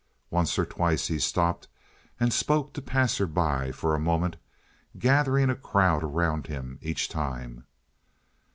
Once or twice he stopped and spoke to passers by for a moment, gathering a crowd around him each time.